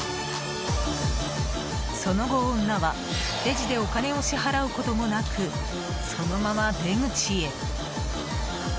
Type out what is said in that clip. その後、女はレジでお金を支払うこともなくそのまま出口へ。